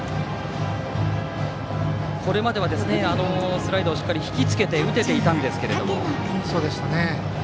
これまではスライダーをしっかり引きつけて打てていたんですけれども。